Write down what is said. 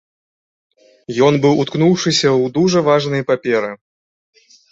Ён быў уткнуўшыся ў дужа важныя паперы.